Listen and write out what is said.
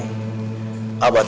abah tega pisah neng